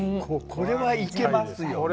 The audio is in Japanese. これはいけますよね。